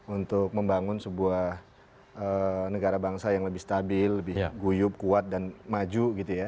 untuk membangun sebuah negara bangsa yang lebih stabil lebih guyup kuat dan maju gitu ya